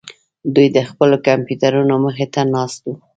دوی د خپلو کمپیوټرونو مخې ته ناست وو